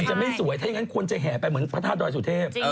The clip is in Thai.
จะไม่สวยถ้าอย่างนั้นคนจะแห่ไปเหมือนพระธาตุดอยสุเทพ